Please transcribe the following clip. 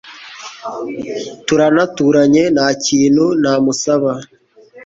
turanaturanye ntakintu namusaba